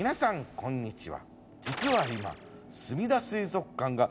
こんにちは。